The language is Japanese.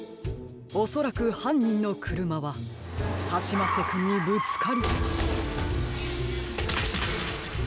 おそらくはんにんのくるまはカシマッセくんにぶつかり。